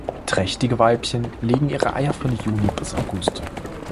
Trächtige Weibchen legen ihre Eier von Juni bis August.